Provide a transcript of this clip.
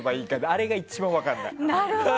あれが一番分からない。